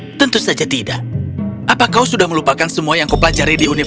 ciri kata itu menjadi bukan apa yang kita lakukan teratas dan membingungkan cahaya di this process